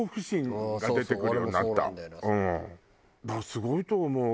すごいと思う。